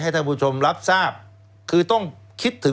แล้วเขาก็ใช้วิธีการเหมือนกับในการ์ตูน